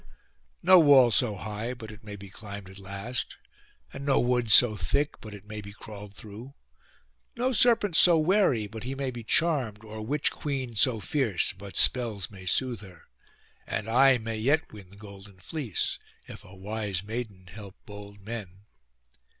'No wall so high but it may be climbed at last, and no wood so thick but it may be crawled through; no serpent so wary but he may be charmed, or witch queen so fierce but spells may soothe her; and I may yet win the golden fleece, if a wise maiden help bold men.